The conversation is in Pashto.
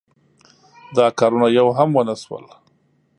دا کارونه یو هم ونشول.